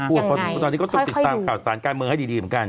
ตอนนี้ก็ต้องติดตามข่าวสารการเมืองให้ดีเหมือนกัน